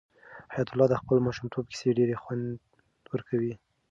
حیات الله ته د خپل ماشومتوب کیسې ډېر خوند ورکوي.